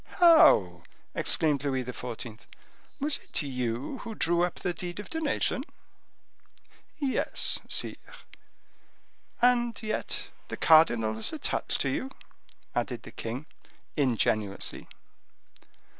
"How!" exclaimed Louis XIV., "was it you who drew up the deed of donation?" "Yes, sire." "And yet the cardinal was attached to you?" added the king, ingenuously.